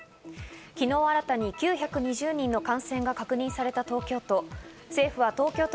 昨日、新たに９２０人の感染が確認された東京都。